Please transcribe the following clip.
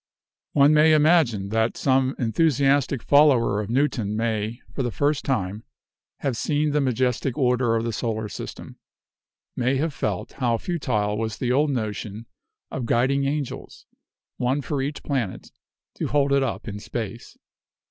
"One may imagine that some enthusiastic follower of Newton may, for the first time, have seen the majestic order of the solar system, may have felt how futile was the old notion of guiding angels, one for each planet, to hold it up in space.